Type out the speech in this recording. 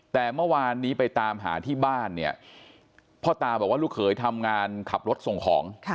แต่เมื่อวานนี้ไปตามหาที่บ้านเนี่ยพ่อตาบอกว่าลูกเขยทำงานขับรถส่งของ